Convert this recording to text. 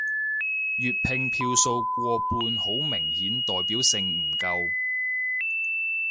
粵拼票數過半好明顯代表性唔夠